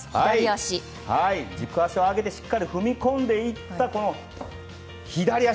軸足を上げて、しっかり踏み込んでいった左足。